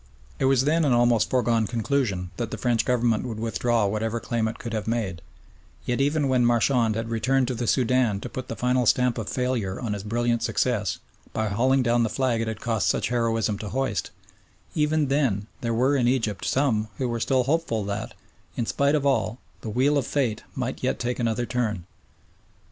It was then an almost foregone conclusion that the French Government would withdraw whatever claim it could have made, yet even when Marchand had returned to the Soudan to put the final stamp of failure on his brilliant success by hauling down the flag it had cost such heroism to hoist, even then there were in Egypt some who were still hopeful that, in spite of all, the wheel of fate might yet take another turn.